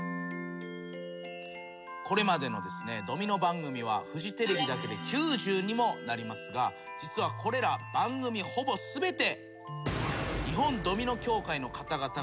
これまでのドミノ番組はフジテレビだけで９０にもなりますが実はこれら番組ほぼ全て。